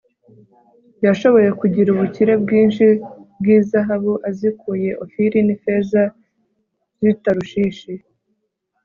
yashoboye kugira ubukire bwinshi bw'izahabu azikuye ofiri n'ifeza z'i tarushishi